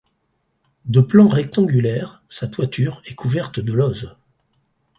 De plan rectangulaire, sa toiture est couverte de lauzes.